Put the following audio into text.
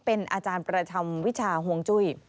เป็นอาจารย์ประจำวิชาห่วงจุ้ย